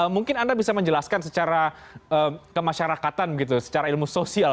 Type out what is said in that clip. mungkin anda bisa menjelaskan secara kemasyarakatan gitu secara ilmu sosial